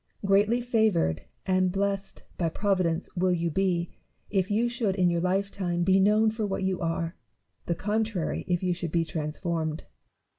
Greatly favoured and blessed by Providence will you be, if you should in your lifetime be known for what you are : the contrary, if you should be transformed.